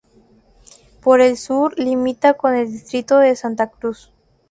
Por el sur limita con el distrito de Santa Cruz.